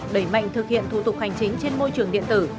đẩy mạnh thực hiện thủ tục hành chính trên môi trường điện tử